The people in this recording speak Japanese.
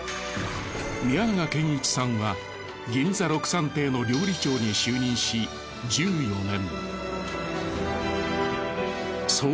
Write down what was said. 宮永賢一さんは銀座ろくさん亭の料理長に就任し１４年。